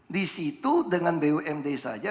disitu dengan bumd saja